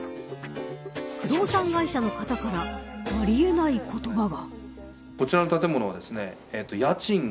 不動産会社の方からありえない言葉が。